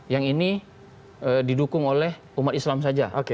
yang ini didukung oleh umat islam saja